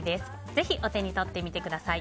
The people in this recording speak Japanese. ぜひお手に取ってみてください。